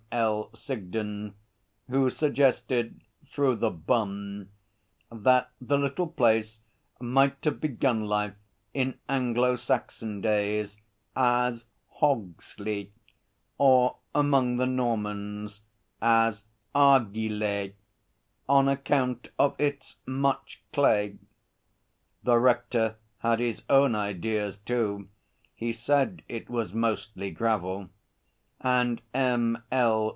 L. Sigden who suggested, through The Bun, that the little place might have begun life in Anglo Saxon days as 'Hogslea' or among the Normans as 'Argilé,' on account of its much clay. The Rector had his own ideas too (he said it was mostly gravel), and M.L.